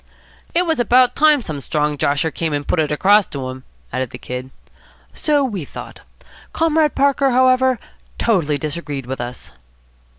"It was about time some strong josher came and put it across to 'em," added the Kid. "So we thought. Comrade Parker, however, totally disagreed with us."